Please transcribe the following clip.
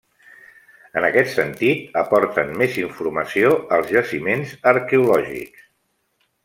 En aquest sentit, aporten més informació els jaciments arqueològics.